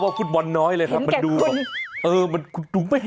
อ๋อเตะฟุตซอลอ่ะได้